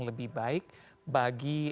lebih baik bagi